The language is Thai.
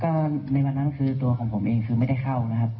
ก็ในวันนั้นคือตัวของผมเองคือไม่ได้เข้านะครับ